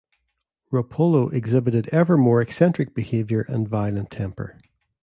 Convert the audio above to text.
Roppolo exhibited ever more eccentric behavior and violent temper.